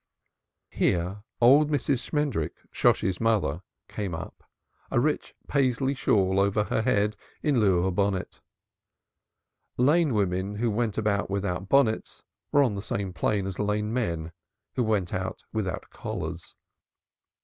Here old Mrs. Shmendrik, Shosshi's mother, came up, a rich Paisley shawl over her head in lieu of a bonnet. Lane women who went out without bonnets were on the same plane as Lane men who went out without collars.